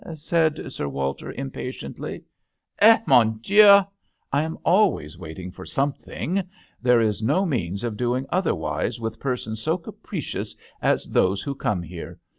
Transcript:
said Sir Walter, impatiently. " Eh, mon dieu ! I am always THE h6tEL d'aNGLETERRE. 47 waiting for something. There is no means of doing otherwise with persons so capricious as those who come here.